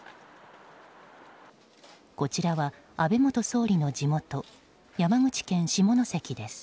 こちらは、安倍元総理の地元山口県下関です。